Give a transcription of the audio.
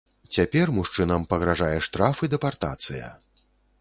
Цяпер мужчынам пагражае штраф і дэпартацыя.